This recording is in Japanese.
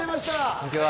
こんにちは